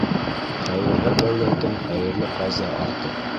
Хәйерһеҙ дәүләттән хәйерле ҡаза артыҡ.